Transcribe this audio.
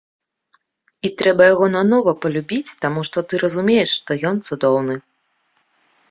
І трэба яго нанова палюбіць, таму што ты разумееш, што ён цудоўны.